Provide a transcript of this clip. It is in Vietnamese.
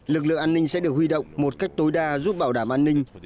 lực lượng an ninh sẽ được huy động một cách tối đa giúp bảo đảm an ninh